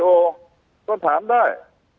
ก็จะถามได้